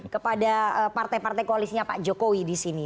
kepada partai partai koalisnya pak jokowi disini